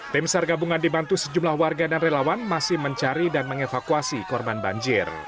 tim sar gabungan dibantu sejumlah warga dan relawan masih mencari dan mengevakuasi korban banjir